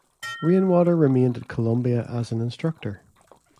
Rainwater remained at Columbia as an instructor.